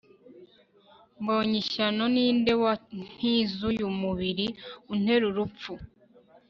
Mbony ishyano ni nde wankizuyu mubiri unterurupfu